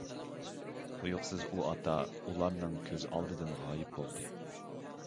تۇيۇقسىز ئۇ ئاتا ئۇلارنىڭ كۆز ئالدىدىن غايىب بولدى.